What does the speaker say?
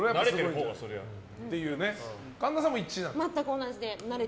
神田さんも１なの？